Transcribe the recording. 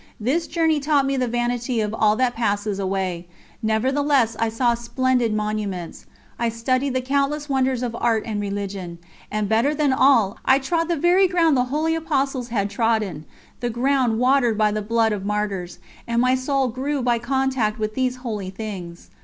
This journey taught me the vanity of all that passes away. Nevertheless I saw splendid monuments; I studied the countless wonders of art and religion; and better than all, I trod the very ground the Holy Apostles had trodden the ground watered by the blood of martyrs and my soul grew by contact with these holy things.